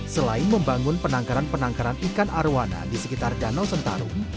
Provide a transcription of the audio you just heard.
selain membangun penangkaran penangkaran ikan arowana di sekitar danau sentarung